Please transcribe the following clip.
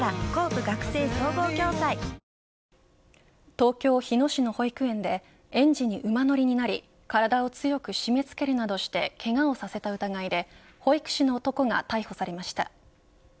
東京、日野市の保育園で園児に馬乗りになり体を強く締め付けるなどしてけがをさせた疑いで保育士の男が逮捕されました。